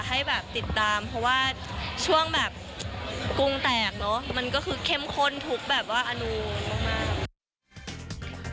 ให้แบบติดตามเพราะว่าช่วงแบบกุ้งแตกเนอะมันก็คือเข้มข้นทุกแบบว่าอนูลมาก